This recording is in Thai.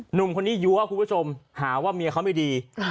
หนุ่มคนนี้ยั้วคุณผู้ชมหาว่าเมียเขาไม่ดี